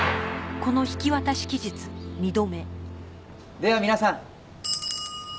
では皆さん。